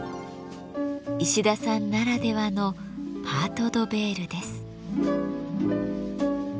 石田さんならではのパート・ド・ヴェールです。